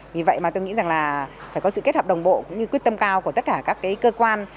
vì vậy tôi nghĩ rằng phải có sự kết hợp đồng bộ quyết tâm cao của tất cả các cơ quan